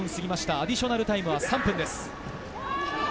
アディショナルタイムは３分です。